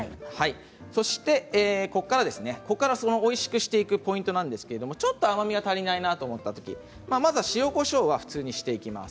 そして、ここからおいしくしていくポイントなんですけれどもちょっと甘みが足りないなと思ったときまず塩、こしょうは普通にしていきます。